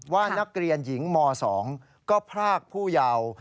ว่านักเรียนหญิงม๒ก็พรากผู้เยาว์